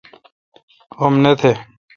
غم نہ تہ۔